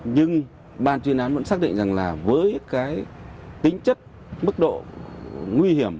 nhưng ban chuyên án vẫn xác định rằng là với cái tính chất mức độ nguy hiểm